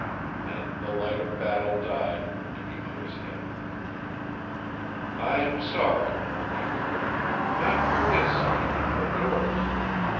Then the light of battle died, and he hung his head. "I'm sorry," he murmured, "not for his sake, but yours.